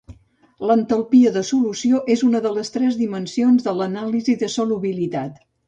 L'entalpia de solució és una de les tres dimensions de l'anàlisi de solubilitat.